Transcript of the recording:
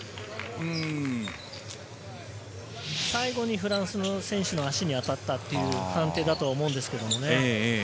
最後にフランスの選手の足に当たったという判定だと思うんですけどね。